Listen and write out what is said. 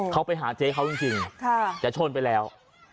เขาไปหาเจ๊เขาจริงแต่ชนไปแล้ว